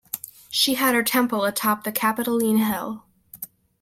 She had her temple atop the Capitoline Hill.